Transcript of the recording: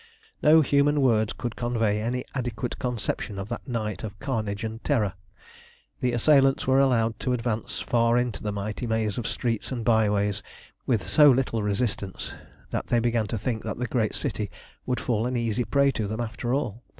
No human words could convey any adequate conception of that night of carnage and terror. The assailants were allowed to advance far into the mighty maze of streets and byways with so little resistance, that they began to think that the great city would fall an easy prey to them after all.